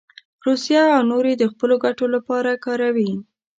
روسیه او نور یې د خپلو ګټو لپاره کاروي.